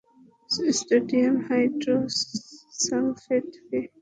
Sodium hydrosulphate কি?